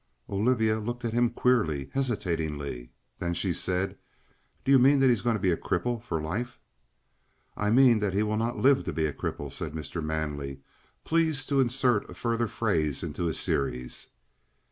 Olivia looked at him queerly, hesitating. Then she said: "Do you mean that he's going to be a cripple for life?" "I mean that he will not live to be a cripple," said Mr. Manley, pleased to insert a further phrase into his series.